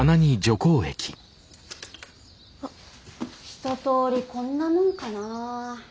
一とおりこんなもんかな。